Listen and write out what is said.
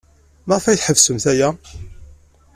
Maɣef ay tḥebsemt aya?